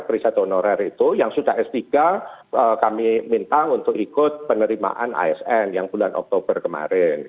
perisai honorer itu yang sudah s tiga kami minta untuk ikut penerimaan asn yang bulan oktober kemarin